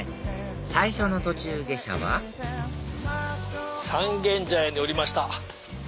最初の途中下車は三軒茶屋に降りました。